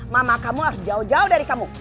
mama kamu harus jauh jauh dari kamu